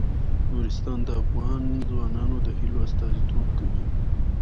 نورستان د افغان ځوانانو د هیلو استازیتوب کوي.